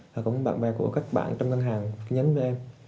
và cũng bạn bè của các bạn trong ngân hàng nhánh với em